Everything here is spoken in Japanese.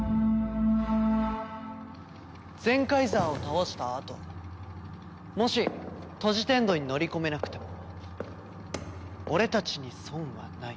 ゼンカイザーを倒したあともしトジテンドに乗り込めなくても俺たちに損はない。